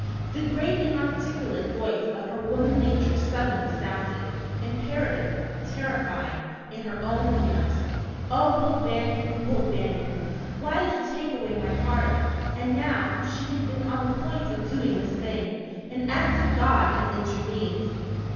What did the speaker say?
The great inarticulate voice of her woman nature suddenly sounded, imperative, terrifying, in her own ears "Oh, Will Banion, Will Banion, why did you take away my heart?" And now she had been on the point of doing this thing! An act of God had intervened.